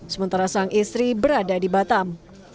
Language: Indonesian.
sementara sang istri berada di batam